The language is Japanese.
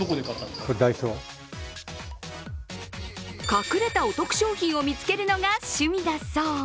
隠れたお得商品を見つけるのが趣味だそう。